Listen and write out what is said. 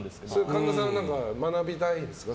神田さん学びたいですか？